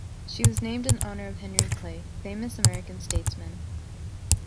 She was named in honor of Henry Clay, famous American statesman.